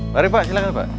mari pak silahkan pak